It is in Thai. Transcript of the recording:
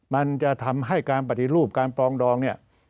มันจะทำให้การปฏิรูปการปรองดองเนี่ย